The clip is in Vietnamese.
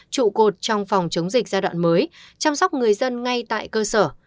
trụ cột trong phòng chống dịch giai đoạn mới chăm sóc người dân ngay tại cơ sở